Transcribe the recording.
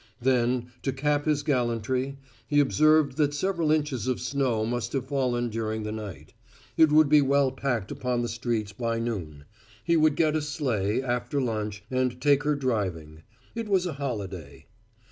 Then, to cap his gallantry, he observed that several inches of snow must have fallen during the night; it would be well packed upon the streets by noon; he would get a sleigh, after lunch, and take her driving. It was a holiday.